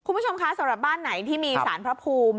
คุณผู้ชมคะสำหรับบ้านไหนที่มีสารพระภูมิ